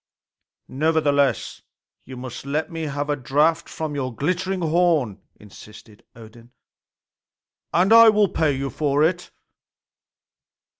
"Nevertheless, you must let me have a draught from your glittering horn," insisted Odin, "and I will pay you for it."